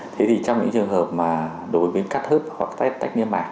thế thì trong những trường hợp mà đối với cắt hớt hoặc cắt tách niêm mạc